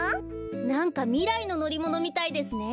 なんかみらいののりものみたいですね。